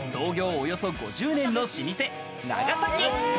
およそ５０年の老舗・長崎。